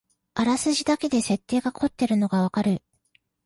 あらすじだけで設定がこってるのがわかる